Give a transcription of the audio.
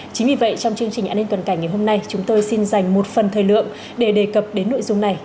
chính vì vậy trong chương trình an ninh tuần cảnh ngày hôm nay chúng tôi xin dành một phần thời lượng để đề cập đến nội dung này